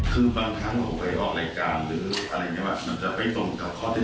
คือบางครั้งผมไปออกรายการหรืออะไรอย่างนี้